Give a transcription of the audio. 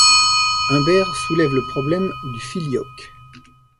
Humbert soulève le problème du Filioque.